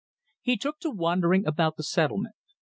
He took to wandering about the settlement.